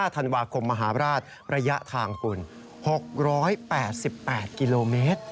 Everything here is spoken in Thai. ธันวาคมมหาราชระยะทางคุณ๖๘๘กิโลเมตร